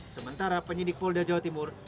sementara penyidik polda jawa timur